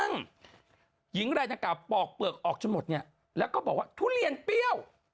ซึ่งหญิงรายดังกล่าปอกเปลือกออกจนหมดเนี่ยแล้วก็บอกว่าทุเรียนเปรี้ยว